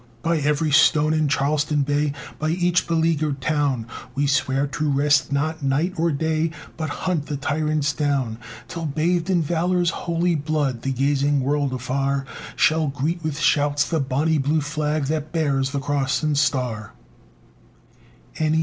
By every stone in Charleston Bay, By each beleaguered town, We swear to rest not, night nor day, But hunt the tyrants down! Till bathed in valor's holy blood The gazing world afar Shall greet with shouts the Bonnie Blue Flag That bears the cross and star!